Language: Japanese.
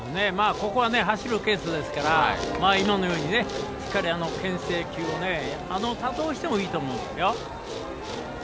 ここは、走るケースですから、今のようにしっかり、けん制球を多投してもいいと思うんですよ。